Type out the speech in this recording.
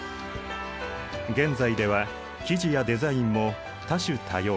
現在では生地やデザインも多種多様。